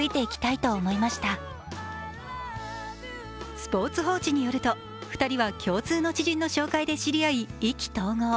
「スポーツ報知」によると２人は共通の知人の紹介で知り合い、意気投合。